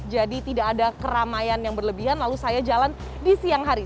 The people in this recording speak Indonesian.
tidak ada keramaian yang berlebihan lalu saya jalan di siang hari